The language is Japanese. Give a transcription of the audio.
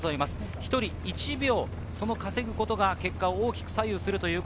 １人１秒を稼ぐことが結果を大きく左右します。